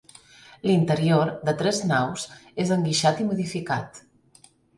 L'interior, de tres naus, és enguixat i modificat.